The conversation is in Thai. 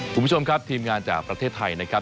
คุณผู้ชมคัพธุ์ธีมงานจากประเทศไทย